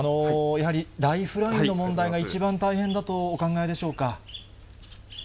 やはり、ライフラインの問題が一番大変だとお考えでしょうか。